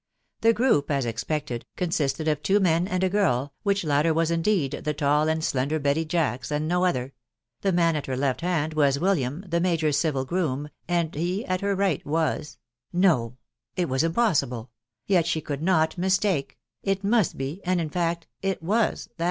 The group, as expected, consisted of two men *tid g girl, which htiet was indeed the tan, sin& tenant T&WCc| Jacks, and no other ; the man, at her left hand w«aa William, the major's civil groom, and he at her right was,. .•• no, & was impossible, .•«• yet she could not mistake.. ... it must be, and, in fact, it was that